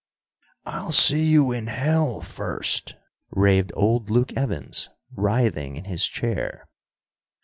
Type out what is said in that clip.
"I'll see you in hell first," raved old Luke Evans, writhing in his chair.